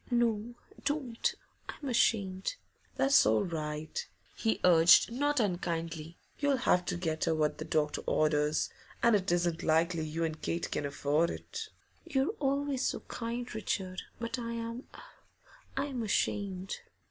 'No don't I'm ashamed.' 'That's all right,' he urged, not unkindly. 'You'll have to get her what the doctor orders, and it isn't likely you and Kate can afford it.' 'You're always so kind, Richard. But I am I am ashamed!